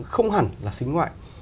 không hẳn là sinh ngoại